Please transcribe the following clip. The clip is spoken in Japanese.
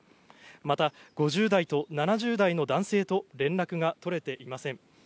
また５０代と７０代の男性と連絡が取れていません。